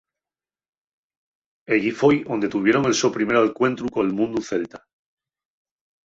Ellí foi onde tuvieron el so primer alcuentru col mundu celta.